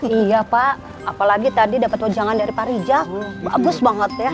iya pak apalagi tadi dapet wajangan dari pak rijal bagus banget ya